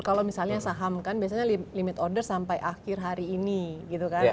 kalau misalnya saham kan biasanya limit order sampai akhir hari ini gitu kan